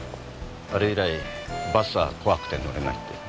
あれ以来バスは怖くて乗れないって。